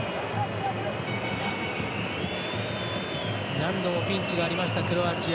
何度もピンチがありましたクロアチア。